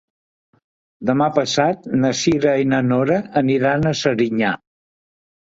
Demà passat na Cira i na Nora aniran a Serinyà.